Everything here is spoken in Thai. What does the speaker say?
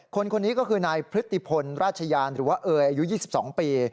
คนนี้ก็คือนายพฤติพลราชยานหรือว่าเอยอายุ๒๒ปี